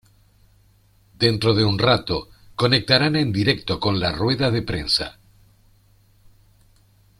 Dentro de un rato conectarán en directo con la rueda de prensa.